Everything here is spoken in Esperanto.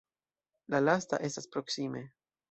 La lasta estas proksime.